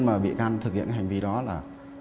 mà bị can thực hiện hành vi đó là